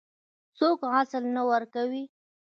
څوک غسل نه ورکوي.